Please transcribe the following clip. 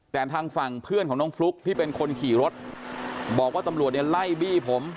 แต่ทางฝั่งเพื่อนของน้องฟลุ๊กที่เป็นคนขี่รถบอกว่าตำรวจเนี่ยไล่บี้ผม